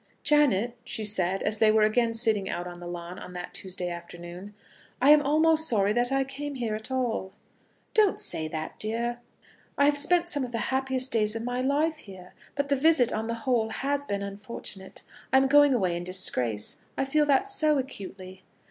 "Janet," she said, as they were again sitting out on the lawn, on that Tuesday afternoon, "I am almost sorry that I came here at all." "Don't say that, dear." "I have spent some of the happiest days of my life here, but the visit, on the whole, has been unfortunate. I am going away in disgrace. I feel that so acutely."